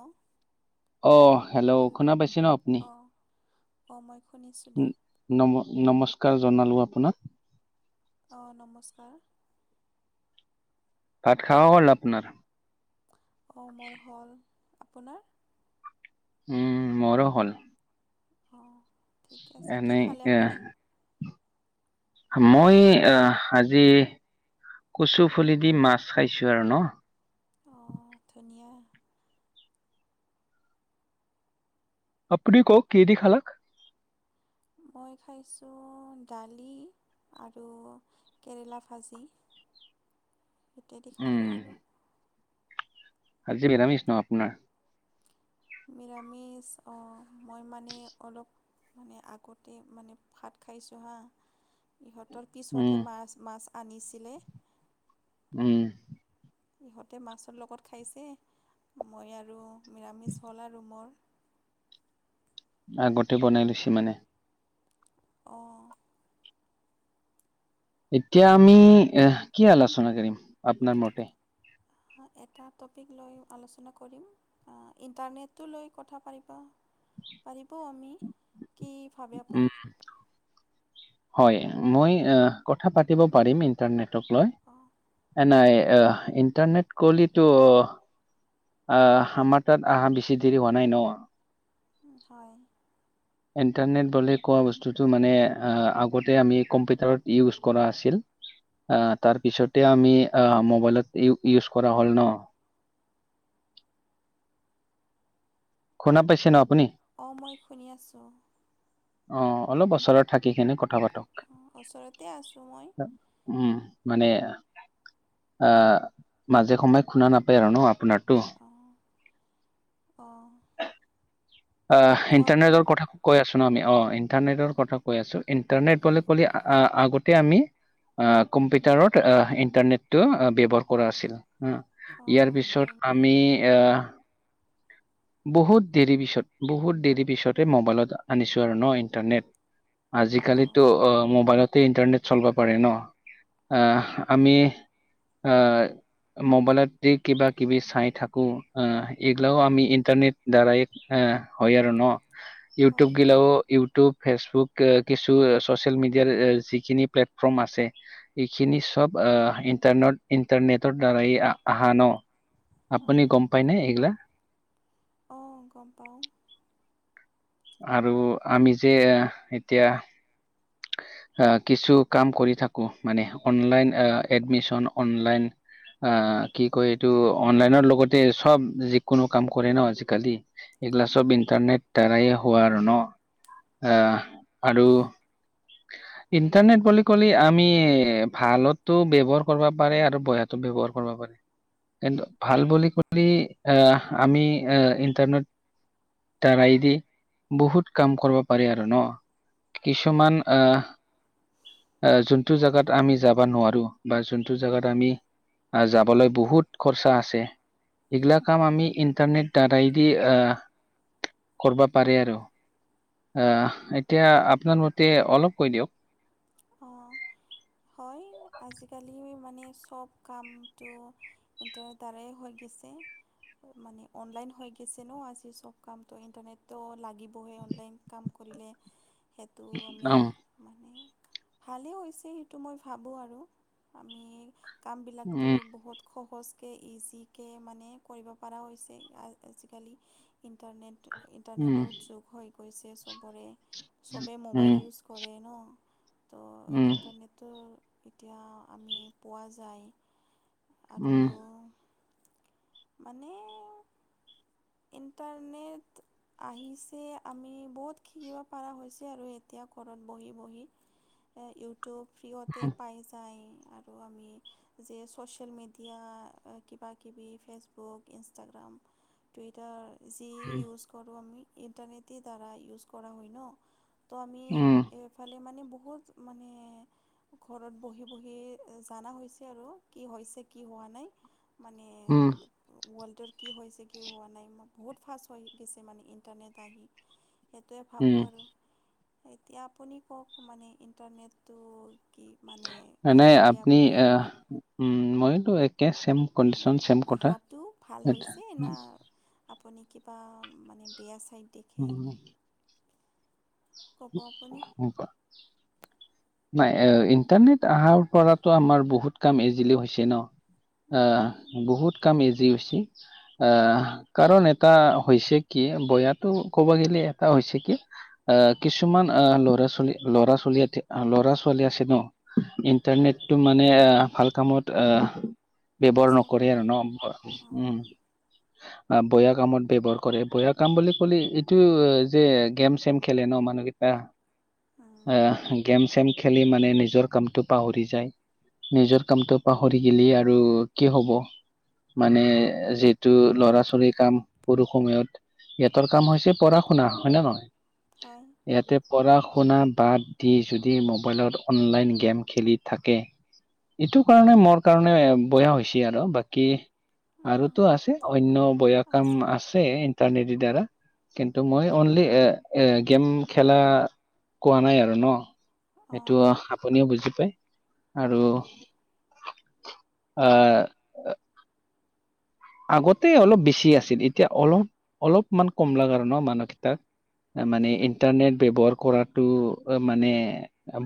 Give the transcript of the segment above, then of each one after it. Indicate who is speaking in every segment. Speaker 1: ৎ [inaudible]
Speaker 2: অ', hello শুনা পাইছে ন আপুনি?
Speaker 1: অ', মই শুনিছো দে।
Speaker 2: নম-নমস্কাৰ জনালো আপোনাক।
Speaker 1: অ', নমস্কাৰ।
Speaker 2: ভাত খাৱ হ'ল আপোনাৰ?
Speaker 1: অ', মোৰ হ'ল, আপোনাৰ?
Speaker 2: উম, মোৰো হ'ল।
Speaker 1: অ', ঠিকে আছে, কি
Speaker 2: এনেই
Speaker 1: খালে
Speaker 2: এ
Speaker 1: আপুনি?
Speaker 2: মই আহ আজি কচু ফুলে দি মাছ খাইছো আৰু ন।
Speaker 1: অ', ধুনিয়ীয়া।
Speaker 2: আপুনি কওঁক কিহে দি খালাক?
Speaker 1: মই খাইছো দালি আৰু কেৰেলা ভাজি।
Speaker 2: [inaudible]
Speaker 1: থিকেদি
Speaker 2: উম
Speaker 1: খালোঁ আৰু।
Speaker 2: আজি নিৰামিছ ন আপোনাৰ?
Speaker 1: নিৰামিষ অঁ মই মানে অলপ মানে আগতে মানে ভাত খাইছোঁ হাঁ ইহঁতৰ
Speaker 2: উম
Speaker 1: পিছতহে মাছ মাছ আনিছিলে।
Speaker 2: উম।
Speaker 1: ইহঁতে মাছৰ লগত খাইছে মই আৰু নিৰামিষ হ'ল আৰু মোৰ।
Speaker 2: আগতে বনাই লৈছে মানে।
Speaker 1: অঁ।
Speaker 2: এতিয়া আমি এ কি আলোচনা কৰিম আপনাৰ মতে?
Speaker 1: এটা টপিক লৈ আলোচনা কৰিম। ইণ্টাৰনেটটো লৈ কথা পতিব পাৰিবও আমি। কি ভাবে
Speaker 2: উম
Speaker 1: আপুনি?
Speaker 2: হয় মই কথা পাতিব পাৰিম ইণ্টাৰনেটক লৈ।
Speaker 1: অঁ
Speaker 2: এ নাই অ' ইণ্টাৰনেট কলিতটো আহ আমাৰ তাত আহা বেছি দেৰি হোৱা নাই ন?
Speaker 1: হয়।
Speaker 2: ইণ্টাৰনেট বুলি কোৱা বস্তুটো মানে আগতে আমি কম্পিউটাৰত ইউজ কৰা আছিল। অ' তাৰ পিছতে আমি অ' মোবাইলত ই ইউজ কৰা হ'ল ন। শুনা পাইছে ন আপুনি?
Speaker 1: অ' মই শুনি আছোঁ।
Speaker 2: অ' অলপ উচৰত থাকিকিনে কথা পাতক।
Speaker 1: ওচৰতে আছোঁ মই।
Speaker 2: উম, মানে অ' মাজে সময়ে খুনা নাপায় আৰু ন আপোনাৰতো।
Speaker 1: অ' অ'।
Speaker 2: অ' ইণ্টাৰনেটৰ
Speaker 1: আপুনি
Speaker 2: কথা কৈ আছো ন আমি অ'। ইন্টাৰনেটৰ কথা কৈ আছো ইন্টাৰনেট বুলি কলে আগতে আমি অ' কম্পিউটাৰত অ', ইণ্টাৰনেটটো ব্যৱহাৰ কৰা আছিল। ইয়াৰ
Speaker 1: অঁ
Speaker 2: পিছত
Speaker 1: হয়নে
Speaker 2: আমি অহ বহুত দেৰি পিছত বহুত দেৰি পিছতে মোবাইলত আনিছো আৰু ন ইণ্টাৰনেট। আজিকালিতো
Speaker 1: অঁ
Speaker 2: অ' মোবাইলত। তে ইণ্টাৰনেট চলিব পাৰে ন
Speaker 1: উম,
Speaker 2: আমি মোবাইলত দি কিবা কিবি চাই থাকো আহ এইবিলাকও আমি ইন্টাৰনেট দ্বাৰাই হ হয় আৰু ন
Speaker 1: হয়
Speaker 2: ইউটিউব গিলাও ইউটিউব। ফেচবুক কিছু চচিয়েল মিডিয়াৰ যিখিনি প্লেটফৰ্ম আছে। এইখিনি চব অহ ইণ্টাৰনেট ইণ্টাৰনেটৰ দ্বাৰায় আহা ন? আপুনি
Speaker 1: অঁ
Speaker 2: গম পায় ন এইগিলা?
Speaker 1: অঁ গম পাওঁ।
Speaker 2: আৰু আমি যে এতিয়া অহ কিছু কাম কৰি থাকো মানে অনলাইন অহ এডমিচন অনলাইন। অ' কি কয় এইটো অনলাইনৰ লগতে চব যিকোনো কাম কৰে ন আজিকালি। এইগিলা চব ইন্টাৰনেট দ্বাৰাই হোৱা ন অহ আৰু ইণ্টাৰনেট বুলি কলে আমি ভালতো ব্যৱহাৰ কৰিব পাৰে আৰু বেয়াতো ব্যৱহাৰ কৰিব পাৰে। কিন্তু ভাল বুলি কলি আহ আমি ইণ্টাৰনেট দাৰাইদি বহুত কাম কৰিব পাৰি আৰু ন কিছুমান অ'। আহ যোনটো জাগাত আমি যাব নোৱাৰো বা যোনটো জাগাত আমি আহ যাবলৈ বহুত খৰচা আছে। এইগিলা কাম আমি ইন্টাৰনেট দ্বাৰাইদি অ' কৰিব পাৰে আৰু আহ এতিয়া আপোনাৰ মতে অলপ কৈ দিয়ক।
Speaker 1: অ' হয় আজিকালি মানে চব কামটো এতিয়া তাৰেই হৈ গৈছে। মানে অনলাইন হৈ গেছে ন' আজি চব কামটো ইণ্টাৰনেটটোও লা লাগিবই অনলাইন কাম কৰিলে, সেইটো আমি
Speaker 2: উম,
Speaker 1: মানে ভালেই হৈছে সেইটো মই ভাবোঁ আৰু, আমি কামবিলাকতো
Speaker 2: উম,
Speaker 1: বহুত সহজকৈ ইজিকৈ মানে কৰিব পাৰা হৈছে আ-আজিকালি। ইণ্টাৰনেট
Speaker 2: উম,
Speaker 1: ইণ্টাৰনেটৰ যোগ হৈ গৈছে চবৰে, চবেই
Speaker 2: উম,
Speaker 1: মোবাইল ইউজ কৰে ন'। ত'
Speaker 2: উম,
Speaker 1: ইণ্টাৰনেটটো এতিয়া আমি পোৱা যায়। আৰু,
Speaker 2: উম,
Speaker 1: মানে ইণ্টাৰনেট আহিছে আমি বহুত শিকিব পৰা হৈছে আৰু এতিয়া ঘৰত বহি বহি। অ' ইউটিউব ফ্ৰীহতে পাই যায় আৰু আমি যে ছচিয়েল মিডিয়া অ' কিবা কিবি ফেচবুক, ইনষ্টটাগ্ৰাম। টুইটাৰ যি
Speaker 2: উম,
Speaker 1: ইউজ কৰোঁ আমি ইণ্টাৰনেটৰ দ্বাৰা ইউজ কৰা হয় ন'। ত' আমি
Speaker 2: উম।
Speaker 1: এইফালে মানে বহুত মানে ঘৰত বহি বহি জানা হৈছে আৰু কি হৈছে কি হোৱা নাই। মানে
Speaker 2: উম,
Speaker 1: ৱৰ্ল্ডৰ কি হৈছে কি হোৱা নাই বহুত ফাষ্ট হৈ গৈছে মানে ইণ্টাৰনেট আহি। সেইটোৱে
Speaker 2: উম,
Speaker 1: ভাবোঁ আৰু, এতিয়া আপুনি কওঁক মানে ইণ্টাৰনেটটো কি মানে
Speaker 2: আহ,
Speaker 1: কি
Speaker 2: নাই
Speaker 1: ভাবে
Speaker 2: আপনি
Speaker 1: আপুনি।
Speaker 2: আহ উম, মই।
Speaker 1: মানে অহাটো ভাল
Speaker 2: এটা-
Speaker 1: হৈছে না আপুনি কিবা মানে বেয়া ছাইড
Speaker 2: [unintelligible]
Speaker 1: ক'ব আপুনি
Speaker 2: [unintelligible] নাই এ, ইণ্টাৰনেট অহাৰ পৰাতো আমাৰ বহুত কাম ইজিলি হৈছে ন'। অ' বহুত কাম ইজি হৈছি। অ' কাৰণ এটা হৈছে কি বয়াটো ক'ব গ'লে এটা হৈছে কি অ'। কিছুমান অ' ল'ৰা ছোৱালী ল'ৰা ছোৱালীহঁতে ল'ৰা ছোৱালী আছে ন'
Speaker 1: হয়
Speaker 2: ইণ্টাৰনেট মানে এ, ভাল কামত অ' ব্যৱহাৰ নকৰে আৰু ন'
Speaker 1: অঁ
Speaker 2: উম। [inaudible] বয়া কামত ব্যৱহাৰ কৰে বয়া কাম বুলি ক'লে এইটো যে গেম চেম খেলে ন' [unintelligible] অ' গেম চেম খেলি মানে নিজৰ কামটো পাহৰি যায়। নিজৰ কামটো পাহৰি গেলি আৰু কি হ'ব। মানে যিহেতু ল'ৰা ছোৱালীৰ কাম সৰু সময়ত। ইহঁতৰ কাম হৈছে পঢ়া শুনা হয় নে নহয়।
Speaker 1: হয়।
Speaker 2: ইয়াতে পঢ়া শুনা বাদ দি যদি মোবাইলত অনলাইন গেম খেলি থাকে। এইটো কাৰণে মোৰ কাৰণে বয়া হৈছি আৰু বাকী আৰুতো আছে অন্য বয়া কাম আছে ইন্টাৰনেদি দ্বাৰা, কিন্তু মই অনলি এ-এ গেম খেলা কোৱা নাই আৰু ন' সেইটো
Speaker 1: অঁ
Speaker 2: আপুনিও বুজি পায়। আৰু অ' আগতে অলপ বেছি আছিল এতিয়া অলপ অলপমান কমলাক আৰু ন' মানুহকেইটাক। মানে
Speaker 1: হয়
Speaker 2: ইণ্টাৰনেট ব্যৱহাৰ কৰাটো মানে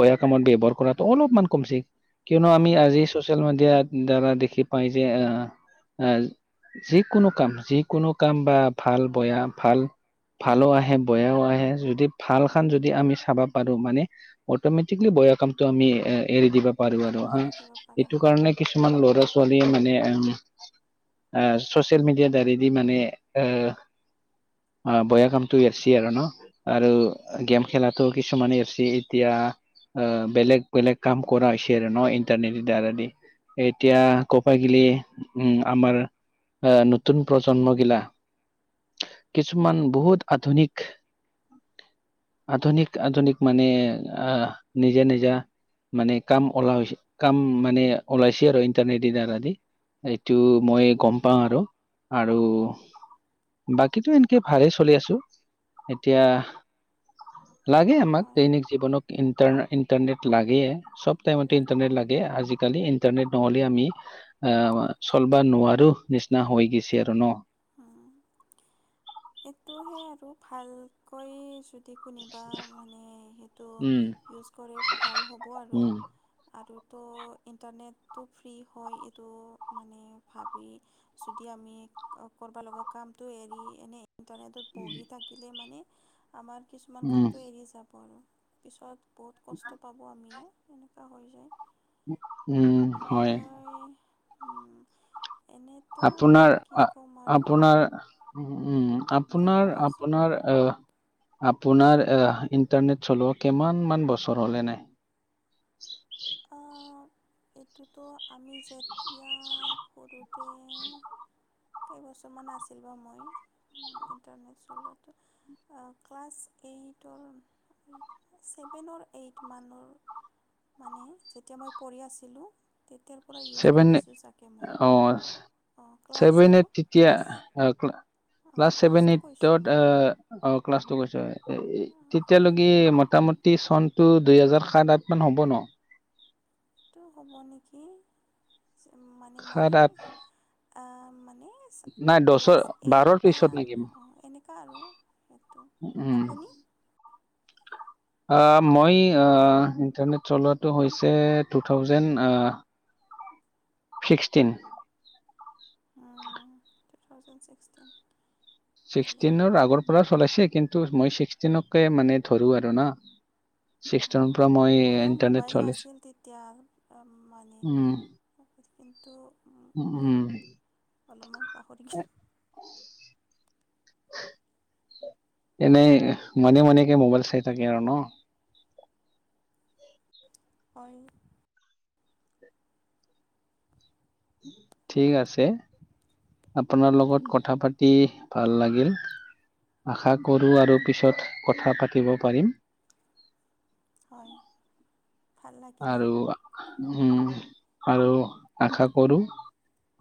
Speaker 2: বয়া কামত ব্যৱহাৰ কৰাতো অলপমান কমছি। কিয়নো আমি
Speaker 1: অঁ
Speaker 2: আজি ছ'চিয়েল মিডিয়াৰ দ্বাৰা দেখি পাই যে অ', অ' যিকোনো কাম যিকোনো কাম বা ভাল বয়া ভাল ভালো আহে বেয়াও আহে য যদি ভাল খান যদি আমি চাব পাৰো মানে অটমেটিকেলি বয়া কামটো আমি এ এৰি দিব পাৰিবি আৰু হা
Speaker 1: সেইটো দিব পাৰে
Speaker 2: এইটো কাৰণে কিছুমান ল'ৰা ছোৱালীয়ে মানে চচিয়েল মিডিয়াৰ দ্বাৰি দি মানে এ অ' বেয়া কামটো এৰিছে আৰু ন। আৰু গেম খেলাতো কিছুমানে এৰছে এতিয়া। বেলেগ বেলেগ কাম কৰা হৈছে আৰু ন ইণ্টাৰনেট দি দাৰাদি। এতিয়া ক'প গিলি উম, আমাৰ। আহ নতুন প্ৰজন্ম গিলা। কিছুমান বহুত আধুনিক। আধুনিক, আধুনিক মানে আহ নিজা, নিজা। মানে কাম ওল কাম মানে ওলাইছে আৰু ইন্টাৰনেট দি দ্বাৰা আদি। এইটো
Speaker 1: অঁ
Speaker 2: মই গ'ম পাওঁ আৰু আৰু বাকীটো এনেকে ভালেই চলি আছো। এতিয়া লাগে আমাক
Speaker 1: হয়
Speaker 2: দৈনিক জীৱনক ইটাৰ ইণ্টাৰনেট লাগে চ'ব টাইমতে ইণ্টাৰনেট লাগে। আজিকালি ইন্টাৰনেট নহ'লে আমি আহ চলব নোৱাৰো। নিচিনা হৈ গৈছে আৰু ন।
Speaker 1: এইটোহে আৰু ভালকৈ চো কোনিবা মানে সেইটো
Speaker 2: উম
Speaker 1: ইউজ কৰে ভাল হ'ব আৰু।
Speaker 2: উম
Speaker 1: আৰু তো ইণ্টাৰনেটটো ফ্ৰী হয় এইটো মানে ভাবি। যদি আমি কৰবা লগা কামতটো এৰি এনে। ইণ্টাৰনেটত বহি থাকিলে মানে আমাৰ কিছুমান
Speaker 2: উম
Speaker 1: কামটো এৰি যাব আৰু পিছত বহুত কষ্ট পাব আমিয়ে তেনেকুৱা হৈ যায়।
Speaker 2: উম, হয়।
Speaker 1: উম, এনে
Speaker 2: আপোনাৰ, আপোনাৰ, উম,
Speaker 1: অঁ
Speaker 2: আপোনাৰ,
Speaker 1: কোৱাচোন
Speaker 2: আপোনাৰ। অ' আপোনাৰ এ ইণ্টাৰনেট চলোৱা কিমান মান বছৰ হ'লে নাই।
Speaker 1: এইটোতো আমি যেতিয়া সৰুতে কেইবছৰমান আছিল বাৰু মই ইণ্টাৰনেট চলোৱাটো। ক্লাছ এইটৰ ছেভেনৰ এইটৰ মানৰ। মানে যেতিয়া মই পঢ়ি আছিলোঁ। তেতিয়াৰ পৰা ইউজ
Speaker 2: ছেভেন
Speaker 1: কৰিছোঁ চাগে মই।
Speaker 2: অ
Speaker 1: অ'
Speaker 2: ছেভেন
Speaker 1: ক্লাছ আৰু
Speaker 2: তেতিয়া
Speaker 1: ক্লাছ অঁ
Speaker 2: ক্লাছ ছেভেন
Speaker 1: ক্লাছটো
Speaker 2: এইটত।
Speaker 1: কৈছোঁ মই
Speaker 2: অ' ক্লাছটো কৈছা তেতিয়ালৈকে
Speaker 1: সেইটোতো
Speaker 2: মোটামুটি। চনতটো দুইহেজাৰ সাত, আঠ মান হ'ব ন।
Speaker 1: টো হ'ব নেকি মানে মই
Speaker 2: সাত আঠ
Speaker 1: মানে
Speaker 2: নাই দহৰ
Speaker 1: ক্লাছ এইট
Speaker 2: বাৰৰ
Speaker 1: বা
Speaker 2: পিছত নেকি
Speaker 1: অ' এনেকুৱা আৰু সেইটো
Speaker 2: উম
Speaker 1: আপুনি।
Speaker 2: মই ইণ্টাৰনেট চলোৱাটো হৈছে two thousand sixteen.
Speaker 1: Two thousand sixteen. ভালে
Speaker 2: ছিক্সটিনৰ আগৰ পৰা চলাইছে, কিন্তু মই ছিক্সটিনকে মানে ধৰো আৰু ন।
Speaker 1: মোৰো মোবাইল
Speaker 2: চলাইছো
Speaker 1: নাছিল তেতিয়া মানে।
Speaker 2: উম
Speaker 1: কিন্তু
Speaker 2: উম।
Speaker 1: অলপমান পাহৰি গ'লোঁ
Speaker 2: এনেই মনে মনেকে মোবাইল চাই থাকে আৰু ন।
Speaker 1: হয়।
Speaker 2: ঠিক আছে। আপোনাৰ লগত কথা পাতি ভাল লাগিল। আশা কৰোঁ আৰু পিছত কথা পাতিব পাৰিম।
Speaker 1: হয়। ভাল লাগিলে
Speaker 2: আৰু উম, আৰু আশা কৰোঁ।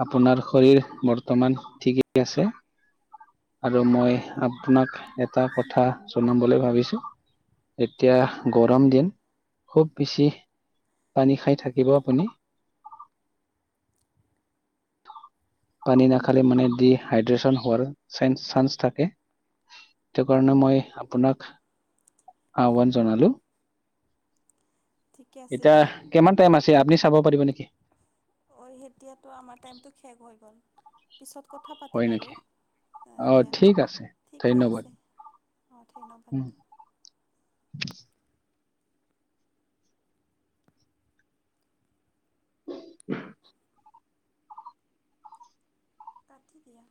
Speaker 2: আপোনাৰ শৰীৰ বৰ্তমান ঠিকেই আছে? আৰু মই আপোনাক এটা কথা জনাম বুলি ভাবিছোঁ। এতিয়া গৰম দিন। খুব বেছি পানী খাই থাকিব আপুনি। পানী নাখালে মানে ডিহাইড্ৰেচন হোৱাৰ চেন-চানস থাকে। সেইটো কাৰণে মই
Speaker 1: উম,
Speaker 2: আপোনাক আহ্বান জনালোঁ।
Speaker 1: ঠিকে আছে
Speaker 2: এতিয়া
Speaker 1: দিয়া
Speaker 2: কিমান টাইম আছে আপুনি চাব পাৰিব নেকি?
Speaker 1: অ' এতিয়াতো আমাৰ টাইমটো শেষ হৈ গ'ল, পিছত কথা
Speaker 2: হয়
Speaker 1: পাতিম আৰু।
Speaker 2: নেকি
Speaker 1: অ'
Speaker 2: অঁ
Speaker 1: দিয়া।
Speaker 2: ঠিক আছে
Speaker 1: ঠিকে
Speaker 2: ধন্যবাদ
Speaker 1: আছে। অ' ধন্যবাদ।
Speaker 2: [inaudible] [inaudible]
Speaker 1: পাতি দিয়া।